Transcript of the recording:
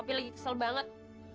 opi lagi kesel banget